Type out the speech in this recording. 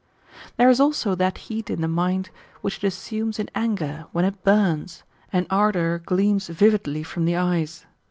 There is also that heat in the mind, which it assumes in anger, when it bums, and ardour gleams vividly from the eyes.